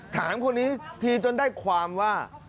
ถามคนนี้ทีจนได้ความว่า